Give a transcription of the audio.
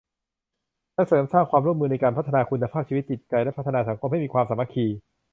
และเสริมสร้างความร่วมมือในการพัฒนาคุณภาพชีวิต จิตใจ และพัฒนาสังคมให้มีความสามัคคี